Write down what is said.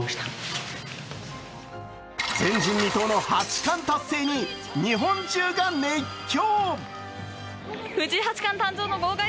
前人未踏の八冠達成に日本中が熱狂。